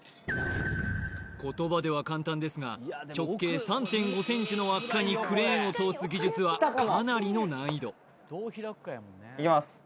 言葉では簡単ですが直径３．５ｃｍの輪っかにクレーンを通す技術はかなりの難易度いきます